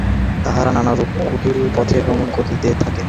তাহারা নানারূপ কুটিল পথে ভ্রমণ করিতে থাকে।